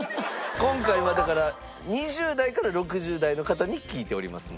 今回はだから２０代から６０代の方に聞いておりますので。